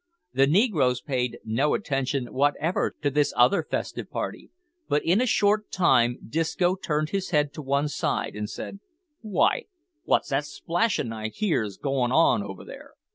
The negroes paid no attention whatever to this other festive party; but in a short time Disco turned his head to one side, and said "Wy, wot's that splashin' I hears goin' on over there?"